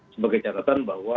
sebagai catatan bahwa